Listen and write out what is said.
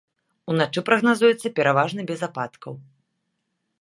Уначы прагназуецца пераважна без ападкаў.